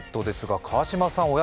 ですが、川島さん